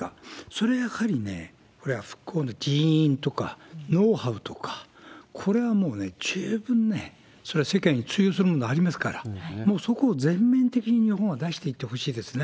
それはやはりね、これは復興の人員とか、ノウハウとか、これはもうね、十分ね、それは世間に通用するものがありますから、もうそこを全面的に日本は出していってほしいですね。